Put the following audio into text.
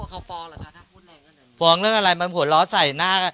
เออฟ้องเรื่องอะไรมันหัวล้อใส่หน้า